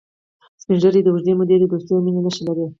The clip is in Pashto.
سپین ږیری د اوږدې مودې دوستی او مینې نښې لري